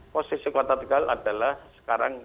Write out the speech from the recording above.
posisi kota tegal adalah sekarang